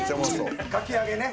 かき揚げね。